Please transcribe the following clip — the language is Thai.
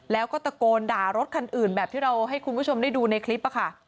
แล้วก็ตะโกนด่ารถคันอื่นแบบที่เราให้คุณผู้ชมได้ดูในคลิปค่ะ